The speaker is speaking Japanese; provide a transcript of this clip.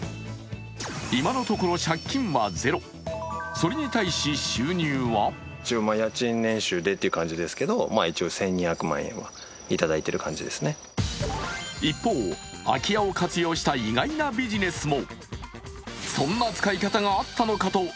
今のところ借金はゼロ、それに対し収入は一方、空き家を活用した意外なビジネスも。